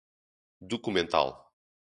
documental